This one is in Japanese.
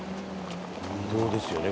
移動ですよね